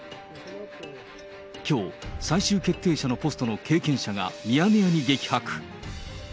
きょう、最終決定者のポストの経験者がミヤネ屋に激白。